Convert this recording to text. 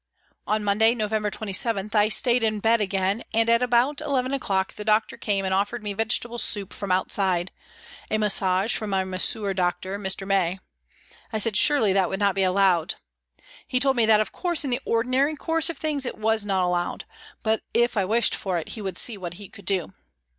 On Monday, November 27, I stayed in bed again, and at about 11 o'clock the doctor came and offered me vegetable soup from outside, and massage from my masseur doctor, Mr. May. I said surely that would not be allowed ! He told me that of course in the ordinary course of things it was not allowed, but, if I wished for it, he would see what he could do.